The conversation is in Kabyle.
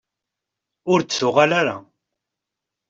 Ur d-tuɣal ara.